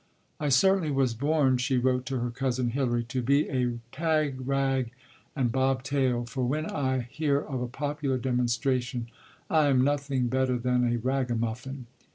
"I certainly was born," she wrote to her cousin Hilary, "to be a tag rag and bob tail, for when I hear of a popular demonstration, I am nothing better than a ragamuffin."